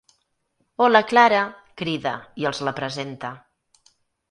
Hola Clara! —crida, i els la presenta—.